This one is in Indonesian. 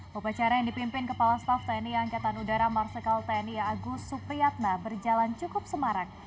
pepacara yang dipimpin kepala staff tni angkatan udara marsikal tni agus supriyatna berjalan cukup semarang